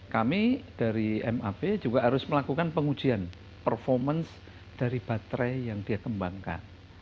kami dari map juga harus melakukan pengujian performance dari baterai yang dia kembangkan